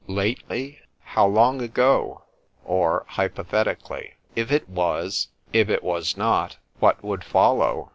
Lately? How long ago?_—Or hypothetically,—If it was? If it was not? What would follow?